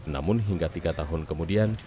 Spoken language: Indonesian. namun hingga tiga tahun kemudian